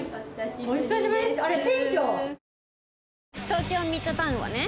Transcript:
東京ミッドタウンはね